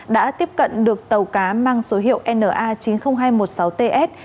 đã tiếp cận được tàu cá mang số hiệu na chín mươi nghìn hai trăm một mươi sáu ts